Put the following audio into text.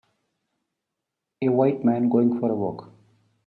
A white man going for a walk.